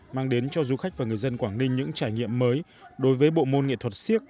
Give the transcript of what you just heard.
mang đến cho du khách và người dân quảng ninh những trải nghiệm mới đối với bộ môn nghệ thuật siếc